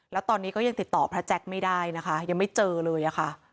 แล้วตอนนี้ก็ยังติดต่อพระแจ๊คไม่ได้นะคะยังไม่เจอเลยอะค่ะ